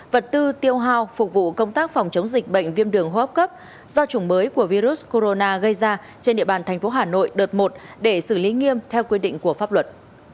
vật tư tiêu hao phục vụ công tác phòng chống dịch bệnh viêm đường hô hấp cấp do chủng mới của virus corona gây ra trên địa bàn thành phố hà nội đợt một để xử lý nghiêm theo quy định của pháp luật